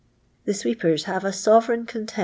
' The sweepers have a sovereign cunti.